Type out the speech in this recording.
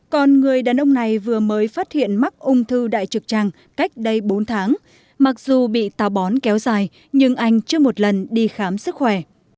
còn người đàn ông này vừa mới phát hiện mắc ung thư đại trực tràng cách đây bốn tháng mặc dù bị tà bón kéo dài nhưng anh chưa một lần đi khám sức khỏe